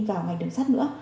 vào ngày đường sắt nữa